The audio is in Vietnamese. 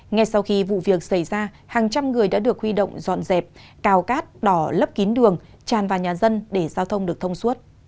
ngay sau khi vụ việc xảy ra hàng trăm người đã được huy động dọn dẹp cào cát đỏ lấp kín đường tràn vào nhà dân để giao thông được thông suốt